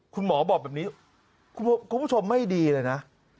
คุณหมอบอกแบบนี้คุณผู้ชมไม่ดีเลยนะ